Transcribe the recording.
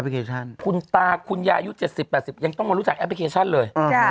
คุณตาคุณยายุค๗๐๘๐ยังต้องมารู้จักแอปพลิเคชันเลย